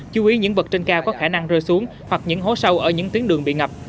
chú ý những vật trên cao có khả năng rơi xuống hoặc những hố sâu ở những tuyến đường bị ngập